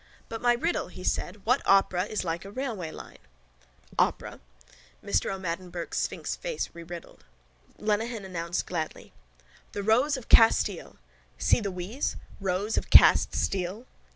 —But my riddle! he said. What opera is like a railwayline? —Opera? Mr O'Madden Burke's sphinx face reriddled. Lenehan announced gladly: —The Rose of Castile. See the wheeze? Rows of cast steel.